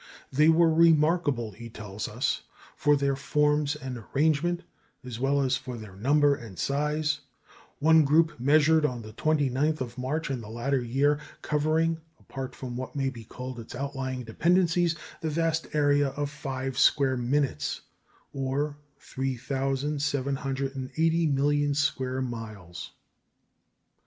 They were remarkable, he tells us, for their forms and arrangement, as well as for their number and size; one group, measured on the 29th of March in the latter year, covering (apart from what may be called its outlying dependencies) the vast area of five square minutes or 3,780 million square miles.